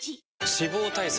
脂肪対策